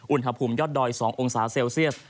อุณหภูมิยอดดอย๒องศาเซลเซียส